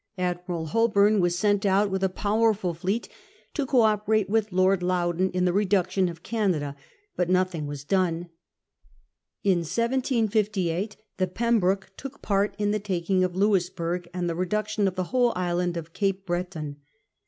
Admiral Holbornc was sent out with a powerful fleet to co operate with Lord Loudon in the reduction of Canada, but nothing was done. In 1758 the Pembroke took part in the taking of Louisburg and the reduction of the whole island of Capo Breton.